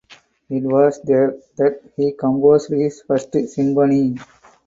It was there that he composed his first symphony.